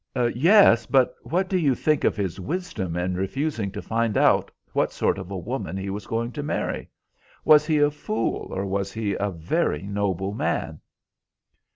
"Yes, but what do you think of his wisdom in refusing to find out what sort of a woman he was going to marry? Was he a fool or was he a very noble man?"